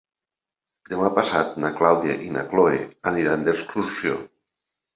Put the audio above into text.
Demà passat na Clàudia i na Cloè aniran d'excursió.